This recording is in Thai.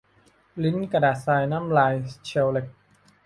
ลิ้นกระดาษทราย น้ำลายเชลแล็ก